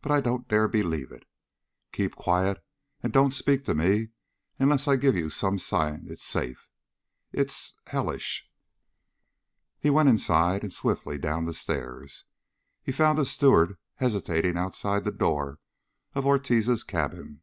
"But I don't dare believe it. Keep quiet and don't speak to me unless I give you some sign it's safe! It's hellish!" He went inside and swiftly down the stairs. He found a steward hesitating outside the door of Ortiz's cabin.